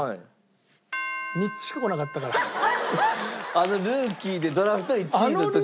あのルーキーでドラフト１位の時。